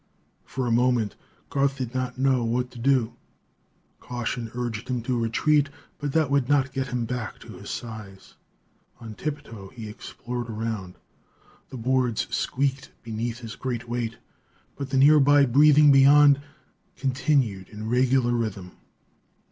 For a moment, Garth did not know what to do. Caution urged him to retreat; but that would not get him back to his size. On tip toe, he explored around. The boards squeaked beneath his great weight, but the nearby breathing beyond continued in regular rhythm.